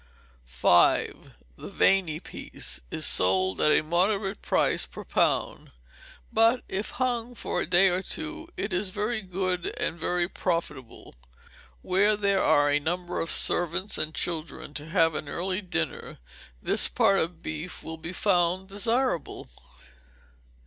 v. The Veiny Piece is sold at a moderate price per pound; but, if hung for a day or two, it is very good and very profitable. Where there are a number of servants and children to have an early dinner, this part of beef will be found desirable.